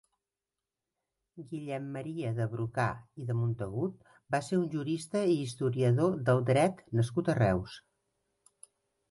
Guillem Maria de Brocà i de Montagut va ser un jurista i historiador del dret nascut a Reus.